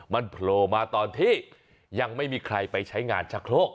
มันโผล่มาตอนที่ยังไม่มีใครไปใช้งานชะโครก